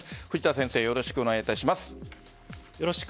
藤田先生、よろしくお願いします。